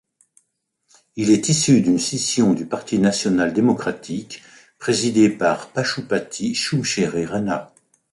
Il est issu d'une scission du Parti national démocratique, présidé par Pashupati Shumshere Rana.